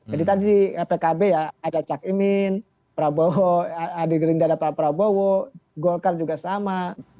jadi tadi di pkb ya ada cak imin prabowo adi gerindara prabowo golkar juga sama